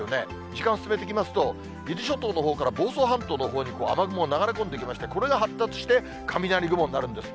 時間進めていきますと、伊豆諸島のほうから房総半島のほうに雨雲流れ込んできまして、これが発達して雷雲になるんです。